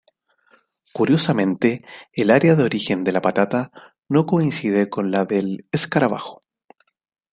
Curiosamente, el área de origen de la patata no coincide con la del escarabajo.